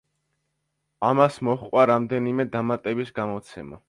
ამას მოჰყვა რამდენიმე დამატების გამოცემა.